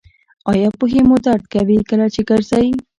ایا پښې مو درد کوي کله چې ګرځئ؟